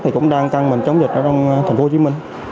thì cũng đang căng mình chống dịch ở trong thành phố hồ chí minh